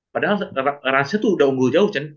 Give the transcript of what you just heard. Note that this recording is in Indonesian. padahal rans nya tuh udah unggul jauh kan